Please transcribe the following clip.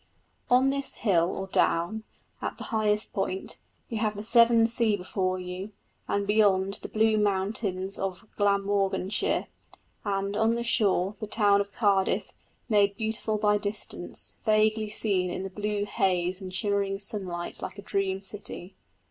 On this hill, or down, at the highest point, you have the Severn Sea before you, and, beyond, the blue mountains of Glamorganshire, and, on the shore, the town of Cardiff made beautiful by distance, vaguely seen in the blue haze and shimmering sunlight like a dream city.